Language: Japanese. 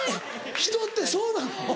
人ってそうなの？